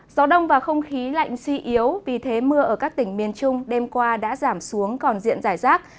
gió đông và không khí lạnh suy yếu vì thế mưa ở các tỉnh miền trung đêm qua đã giảm xuống còn diện giải rác